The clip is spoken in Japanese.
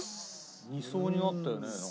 ２層になったよねなんか。